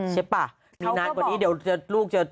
ใช่ป่ะมีนานกว่านี้เดี๋ยวลูกจะ